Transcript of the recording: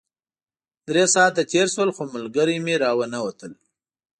درې ساعته تېر شول خو ملګري مې راونه وتل.